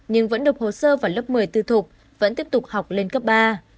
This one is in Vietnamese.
nhưng vẫn đập hồ sơ vào lớp một mươi tư thục vẫn tiếp tục học lên cấp ba